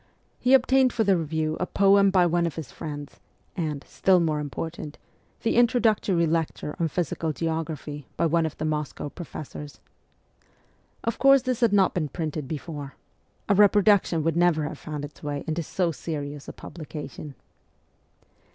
He obtained for the review a poem by one of his friends, and still more important the introductory lecture on physical geography by one of the Moscow professors. Of course this had not been printed before : a reproduction would never have found its way into so serious a publication.